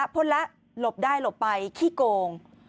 พ่นแล้วหลบได้หลบไปขี้โกง